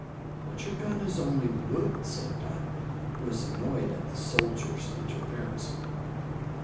"But your gun is only wood," said Dot, who was annoyed at the soldier's interference.